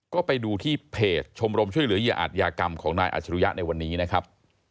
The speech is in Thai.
ก็ไปดูที่เพจชมรมช่วยเหลือเหยื่ออาจยากรรมของนายอัจฉริยะในวันนี้นะครับ